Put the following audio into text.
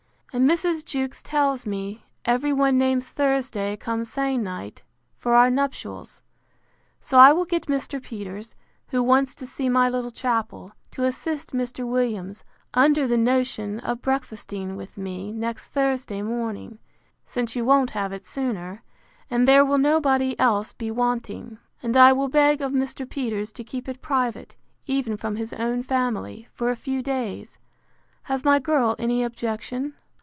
And Mrs. Jewkes tells me every one names Thursday come se'nnight for our nuptials. So I will get Mr. Peters, who wants to see my little chapel, to assist Mr. Williams, under the notion of breakfasting with me next Thursday morning, since you won't have it sooner; and there will nobody else be wanting; and I will beg of Mr. Peters to keep it private, even from his own family, for a few days. Has my girl any objection?